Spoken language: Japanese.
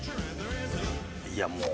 いやもう。